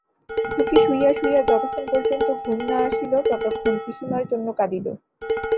খুকী শুইয়া শুইয়া যতক্ষণ পর্যন্ত ঘুম না আসিল, ততক্ষণ পিসিমার জন্য কাঁদিল।